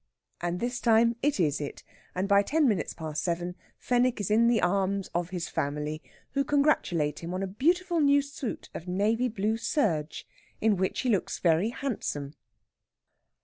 And this time it is it, and by ten minutes past seven Fenwick is in the arms of his family, who congratulate him on a beautiful new suit of navy blue serge, in which he looks very handsome.